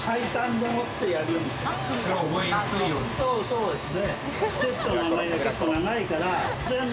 そうですね。